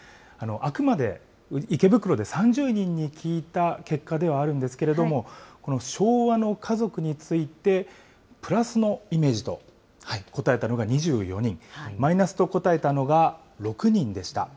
あくまで池袋で３０人に聞いた結果ではあるんですけれども、この昭和の家族についてプラスのイメージと答えたのが２４人、マイナスと答えたのが６人でした。